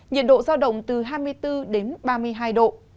nhiệt độ giao động từ hai mươi bốn đến ba mươi hai độ